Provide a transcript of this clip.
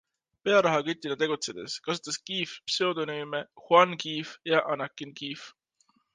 Pearahakütina tegutsedes kasutas Keefe pseudonüüme Juan Keefe ja Anakin Keefe.